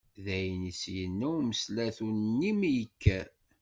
Dayen, i as-yenna umeslatu-nni mi yekker.